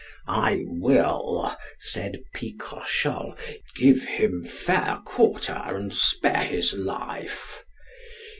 I will, said Picrochole, give him fair quarter and spare his life.